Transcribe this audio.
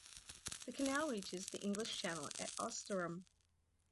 The canal reaches the English Channel at Ouistreham.